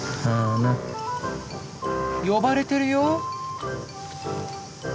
呼ばれてるよ。